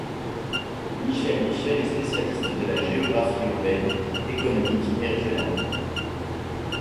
Michel Michel est spécialiste de la géographie urbaine, économique et régionale.